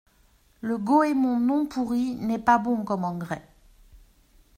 Le goémon non-pourri n’est pas bon comme engrais.